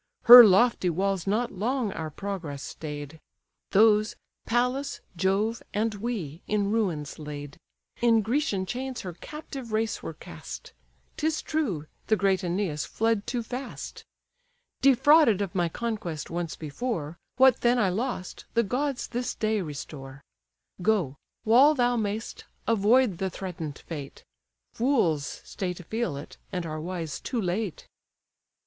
Her lofty walls not long our progress stay'd; Those, Pallas, Jove, and we, in ruins laid: In Grecian chains her captive race were cast; 'Tis true, the great Æneas fled too fast. Defrauded of my conquest once before, What then I lost, the gods this day restore. Go; while thou may'st, avoid the threaten'd fate; Fools stay to feel it, and are wise too late."